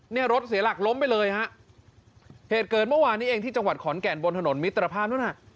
เนี่ยรถเสียหลักล้มไปเลยฮะเหตุเกิดเมื่อวานนี้เองที่จังหวัดขอนแก่นบนถนนมิตรภาพนู้นน่ะ